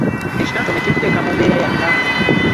Ekitontome kikuteeka mu mbeera ya nnaku.